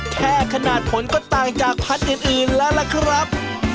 แค่ขนาดผลก็ต่างจากพันธุ์อื่นแล้วล่ะครับ